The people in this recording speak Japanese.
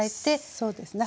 そうですね。